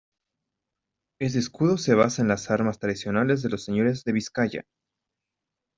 Este escudo se basa en las armas tradicionales de los Señores de Vizcaya.